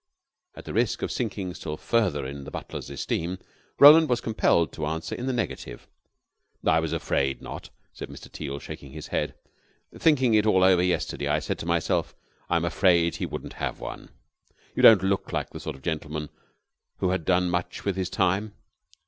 At the risk of sinking still further in the butler's esteem, Roland was compelled to answer in the negative. "I was afraid not," said Mr. Teal, shaking his head. "Thinking it all over yesterday, I said to myself, 'I'm afraid he wouldn't have one.' You don't look like the sort of gentleman who had done much with his time."